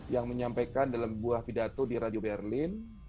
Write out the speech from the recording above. yang menyampaikan dalam buah pidato di radio berlin